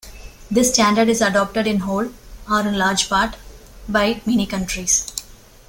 This standard is adopted in whole, or in large part, by many countries.